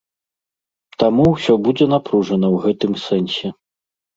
Таму ўсё будзе напружана ў гэтым сэнсе.